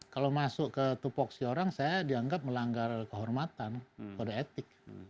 kalau masuk ke tupoksi orang saya dianggap melanggar kehormatan kode etik